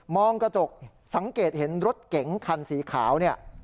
มองกระจกสังเกตเห็นรถเก๋งคันสีขาว